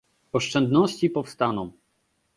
oszczędności powstaną